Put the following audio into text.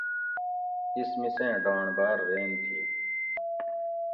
اِس مِسیں ڈانڑ باٞر رین تھی